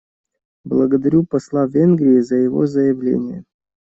Благодарю посла Венгрии за его заявление.